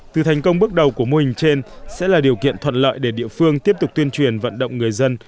từ thành công bước đầu của mô hình trên sẽ là điều kiện thuận lợi để địa phương tiếp tục tuyên truyền vận động người dân